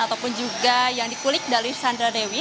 ataupun juga yang dikulik dari sandra dewi